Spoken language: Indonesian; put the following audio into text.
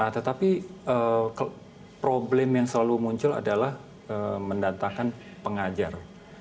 tetapi problem yang selalu muncul adalah mendatakan pengajar